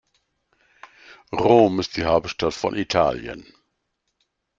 Rom ist die Hauptstadt von Italien.